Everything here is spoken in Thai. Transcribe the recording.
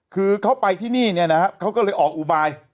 คือเขาไปที่นี่เนี่ยนะฮะเขาก็เลยออกอุบาย